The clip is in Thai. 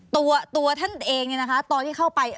ตัวท่านเองเนี่ยนะคะตอนที่เข้าไป